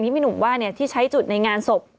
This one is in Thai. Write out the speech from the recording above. พี่หนุ่มว่าที่ใช้จุดในงานศพ